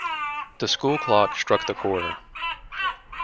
The school clock struck the quarter.